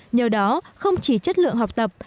nhờ đó không chỉ chất lượng học tập